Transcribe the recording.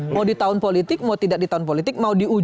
mau di tahun politik mau tidak di tahun politik